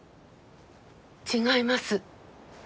違います。